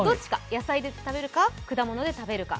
野菜で食べるか、果物で食べるか。